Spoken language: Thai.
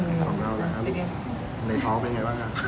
ในท้องเป็นไงบ้างครับ